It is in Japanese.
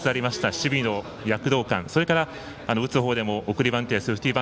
守備の躍動感それから打つほうでも送りバントやセーフティー